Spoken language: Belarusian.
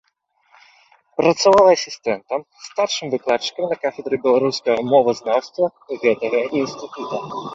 Працавала асістэнтам, старшым выкладчыкам на кафедры беларускага мовазнаўства гэтага інстытута.